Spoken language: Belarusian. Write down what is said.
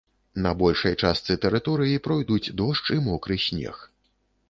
На большай частцы тэрыторыі пройдуць дождж і мокры снег.